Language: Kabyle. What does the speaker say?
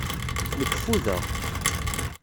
Nekk ffudeɣ.